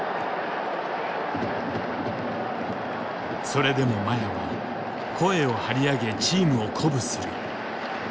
それでも麻也は声を張り上げチームを鼓舞する。